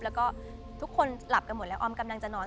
แล้วก็ทุกคนหลับกันหมดแล้วออมกำลังจะนอน